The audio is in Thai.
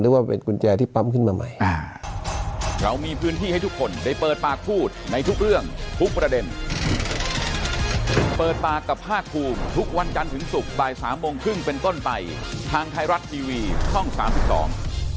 หรือว่าเป็นกุญแจที่ปั๊มขึ้นมาใหม่